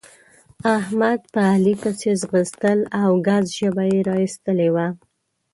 احمد په علي پسې ځغستل او ګز ژبه يې را اېستلې وه.